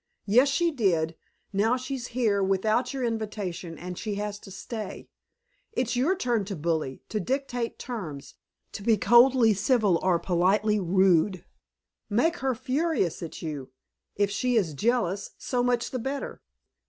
Yes, she did. Now she's here, without your invitation, and she has to stay. It's your turn to bully, to dictate terms, to be coldly civil or politely rude. Make her furious at you. If she is jealous, so much the better."